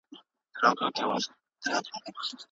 عدالت د امنيت او عدالت ضامن دی.